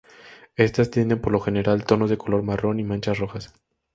Estas tienen por lo general tonos de color marrón y manchas rojas.